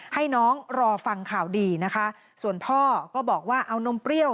ให้น้องรอฟังข่าวดีนะคะส่วนพ่อก็บอกว่าเอานมเปรี้ยว